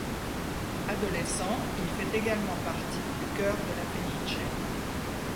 Adolescent, il fait également partie du chœur de La Fenice.